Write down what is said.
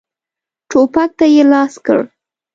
ټوپک ته یې لاس کړ.